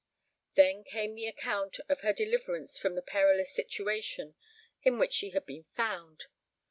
Then came the account of her deliverance from the perilous situation in which she had been found.